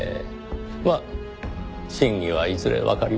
まあ真偽はいずれわかります。